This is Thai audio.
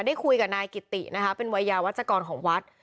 ได้คุยกับนายกิตินะคะเป็นวัยยาวัชกรของวัด